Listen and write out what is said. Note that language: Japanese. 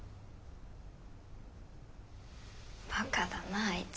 バカだなあいつ。